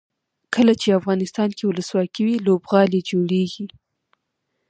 کله چې افغانستان کې ولسواکي وي لوبغالي جوړیږي.